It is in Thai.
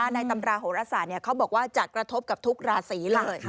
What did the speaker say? ตำราโหรศาสตร์เขาบอกว่าจะกระทบกับทุกราศีเลย